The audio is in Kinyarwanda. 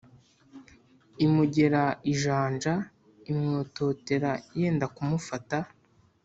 imugera ijanja: imwototera, yenda kumufata